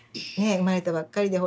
生まれたばっかりでほら